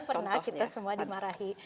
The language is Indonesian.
pernah kita semua dimarahi